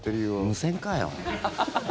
無線かよ。